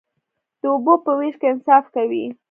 د اوبو په ویش کې انصاف کوئ؟